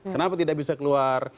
kenapa tidak bisa keluar